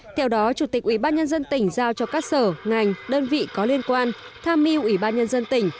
theo đó chủ tịch ủy ban nhân dân tỉnh giao cho các sở ngành đơn vị có liên quan tham mưu ủy ban nhân dân tỉnh